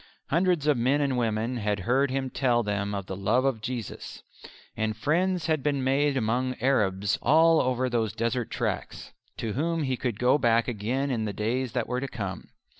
Hundreds of men and women had heard him tell them of the love of Jesus. And friends had been made among Arabs all over those desert tracks, to whom he could go back again in the days that were to come.